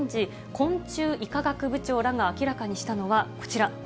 昆虫医科学部長らが明らかにしたのはこちら。